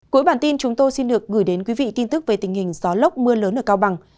cuối bản tin chúng tôi xin được gửi đến quý vị tin tức về tình hình gió lốc mưa lớn ở cao bằng